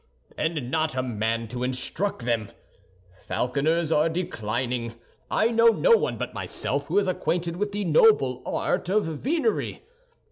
"And not a man to instruct them. Falconers are declining. I know no one but myself who is acquainted with the noble art of venery.